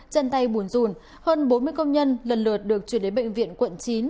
chân tay buồn dùn hơn bốn mươi công nhân lần lượt được chuyển đến bệnh viện quận chín